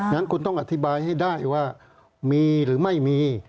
งั้นคุณต้องอธิบายให้ได้ว่ามีหรือไม่มี